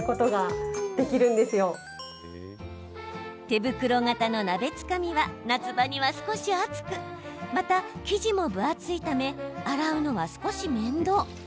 手袋型の鍋つかみは夏場には少し暑くまた生地も分厚いため洗うのは少し面倒。